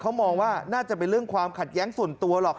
เขามองว่าน่าจะเป็นเรื่องความขัดแย้งส่วนตัวหรอก